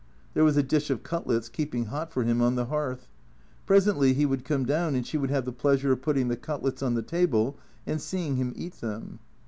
There was a dish of cutlets keeping hot for him on the hearth. Presently he would come doM'n, and she would have the pleasure of putting the cutlets on the table and seeing him eat them.